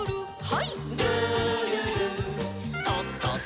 はい。